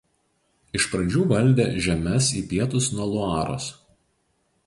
Iš pradžių valdė žemes į pietus nuo Luaros.